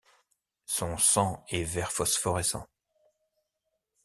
Son sang est vert phosphorescent.